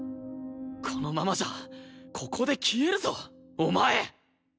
このままじゃここで消えるぞお前！